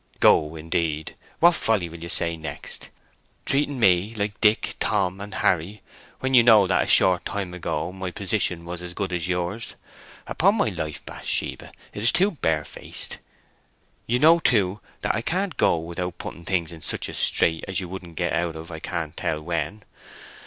"Go, indeed—what folly will you say next? Treating me like Dick, Tom and Harry when you know that a short time ago my position was as good as yours! Upon my life, Bathsheba, it is too barefaced. You know, too, that I can't go without putting things in such a strait as you wouldn't get out of I can't tell when.